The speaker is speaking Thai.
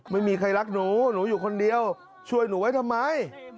ไม่มีใครรักหนูหนูอยู่คนเดียวช่วยหนูไว้ทำไม